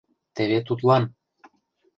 Теве тудлан!